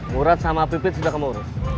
murad sama pipit sudah kamu urus